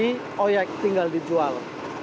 ini sudah jadi oyek tinggal dijual